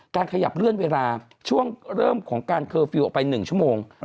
ขยับเลื่อนเวลาช่วงเริ่มของการเคอร์ฟิลล์ออกไป๑ชั่วโมง